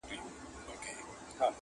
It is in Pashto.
څارنوال چي د قاضي دې کار ته ګوري,